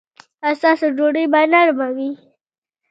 ایا ستاسو ډوډۍ به نرمه وي؟